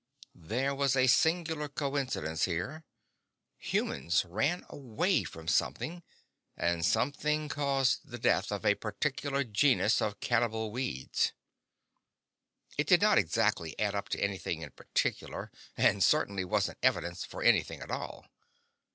There was a singular coincidence here: humans ran away from something, and something caused the death of a particular genus of cannibal weeds. It did not exactly add up to anything in particular, and certainly wasn't evidence for anything at all.